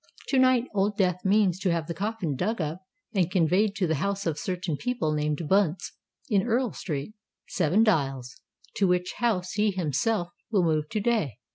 To night Old Death means to have the coffin dug up, and conveyed to the house of certain people named Bunce, in Earl Street, Seven Dials; to which house he himself will move to day.